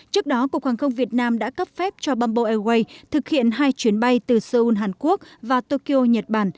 trước đó cục hàng không việt nam đã cấp phép cho bamboo airways thực hiện hai chuyến bay từ seoul hàn quốc và tokyo nhật bản